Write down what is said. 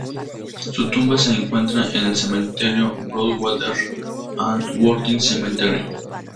Su tumba se encuentra en el cementerio Broadwater and Worthing Cemetery.